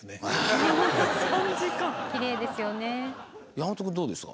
山本君どうですか？